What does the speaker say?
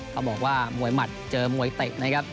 เขาบอกว่ามวยหมัดเจอมวยเตะนะครับ